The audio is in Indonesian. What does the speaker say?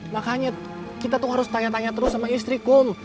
makanya kita tuh harus tanya tanya terus sama istrikum